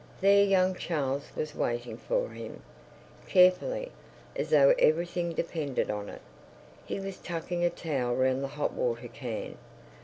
There young Charles was waiting for him. Carefully, as though everything depended on it, he was tucking a towel round the hot water can.